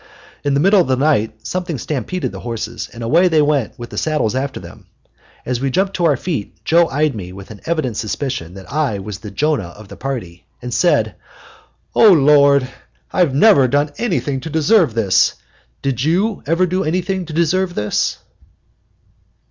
In the middle of the night something stampeded the horses, and away they went, with the saddles after them. As we jumped to our feet Joe eyed me with an evident suspicion that I was the Jonah of the party, and said: "O Lord! I've never done anything to deserve this. Did you ever do anything to deserve this?"